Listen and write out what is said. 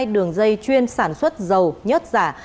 hai đường dây chuyên sản xuất dầu nhất giả